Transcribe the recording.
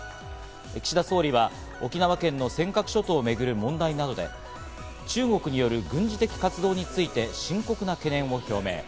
岸田総理は沖縄県の尖閣諸島をめぐる問題などで中国による軍事的活動について深刻な懸念を表明。